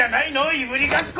いぶりがっこ！